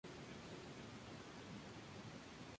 Perdieron una serie de semifinales ante Gimnasia de La Plata.